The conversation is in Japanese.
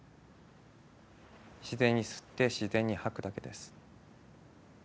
自然に吸って自然に吐くだけです。